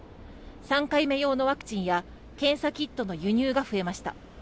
３回目用のワクチンや検査キットの輸入が増えました。